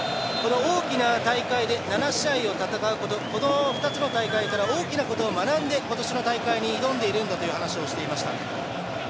大きな大会で７試合を戦うことこの２つの大会から多くのことを学んで今年の大会に挑んでいるんだという話をしていました。